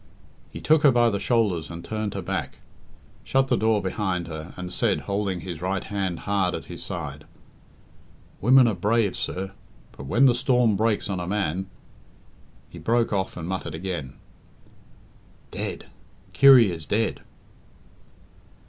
He took her by the shoulders and turned her back, shut the door behind her, and said, holding his right hand hard at his side, "Women are brave, sir, but when the storm breaks on a man " He broke off and muttered again, "Dead! Kirry is dead!"